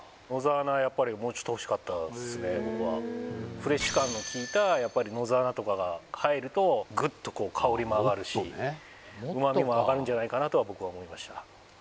やっぱり僕はフレッシュ感のきいたやっぱり野沢菜とかが入るとグッと香りも上がるし旨味も上がるんじゃないかなとは僕は思いました